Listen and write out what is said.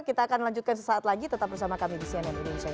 kita akan lanjutkan sesaat lagi tetap bersama kami di cnn indonesia